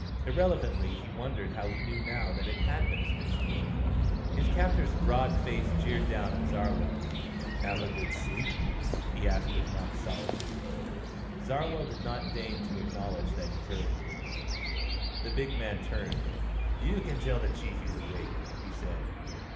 Irrelevantly he wondered how he knew now that it had been a spaceport. His captor's broad face jeered down at Zarwell. "Have a good sleep?" he asked with mock solicitude. Zarwell did not deign to acknowledge that he heard. The big man turned. "You can tell the Chief he's awake," he said.